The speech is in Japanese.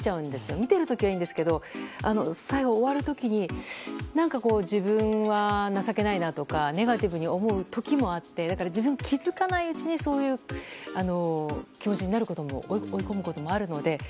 見ている時はいいんですが最後、終わる時に何か、自分は情けないなとかネガティブに思う時もあって自分の気づかないうちにそういう気持ちになって追い込むこともあるので。